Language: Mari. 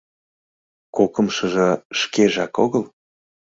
Кокымшыжо шкежак огыл?